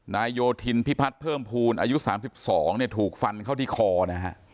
นายโยธินพิพัฒน์เพิ่มพูลอายุ๓๒ถูกฟันเขาที่คอนะฮะ